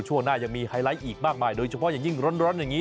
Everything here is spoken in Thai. ช่วงหน้ายังมีไฮไลท์อีกมากมายโดยเฉพาะอย่างยิ่งร้อนอย่างนี้